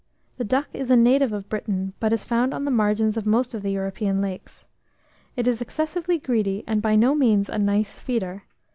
The duck is a native of Britain, but is found on the margins of most of the European lakes. It is excessively greedy, and by no means a nice feeder.